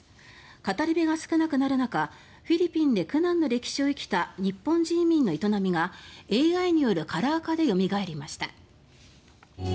語り部が少なくなる中フィリピンで苦難の歴史を生きた日本人移民の営みがＡＩによるカラー化でよみがえりました。